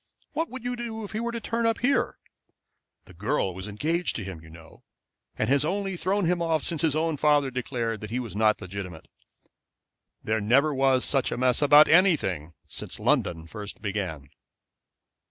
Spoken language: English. What would you do if he were to turn up here? The girl was engaged to him, you know, and has only thrown him off since his own father declared that he was not legitimate. There never was such a mess about anything since London first began."